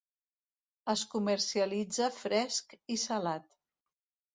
Es comercialitza fresc i salat.